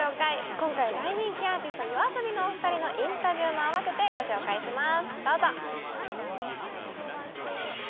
今回大人気アーティスト、ＹＯＡＳＯＢＩのお二人のインタビューも合わせてご紹介します。